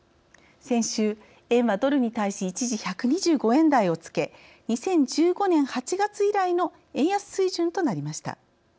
先週、円はドルに対し一時１２５円台をつけ２０１５年８月以来の円安水準となりました。